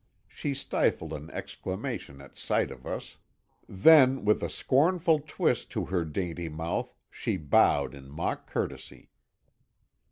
She stifled an exclamation at sight of us. Then, with a scornful twist to her dainty mouth, she bowed in mock courtesy.